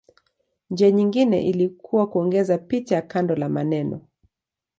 Njia nyingine ilikuwa kuongeza picha kando la maneno.